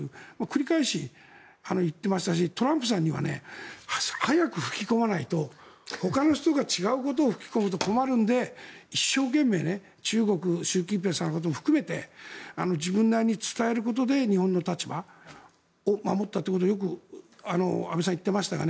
繰り返し言っていましたしトランプさんには早く吹き込まないとほかの人が違うことを吹き込むと困るので一生懸命中国、習近平さんのことも含めて自分なりに伝えることで日本の立場を守ったということをよく安倍さんは言ってましたが。